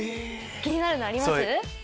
気になるのあります？